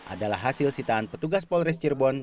adalah hasil sitaan petugas polres cirebon